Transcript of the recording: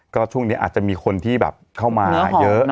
ก็ช่วงนี้อาจจะมีคนที่แบบเข้ามาเยอะ